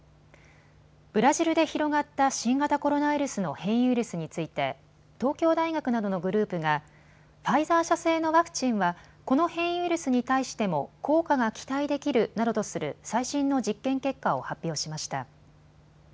ブラジルで広がった新型コロナウイルスの変異ウイルスについて東京大学などのグループがファイザー社製のワクチンはこの変異ウイルスに対しても効果が期待できるなどとする最新の実験結果を発表しました。